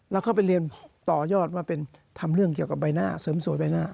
แล้วก็ไปเรียนต่อยอดว่าเป็นทำเรื่องเกี่ยวกับใบหน้าเสริมสวยใบหน้า